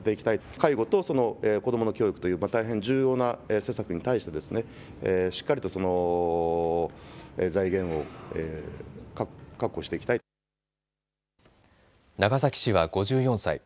介護と子どもの教育という大変重要な施策に対してしっかりと財源を長崎氏は５４歳。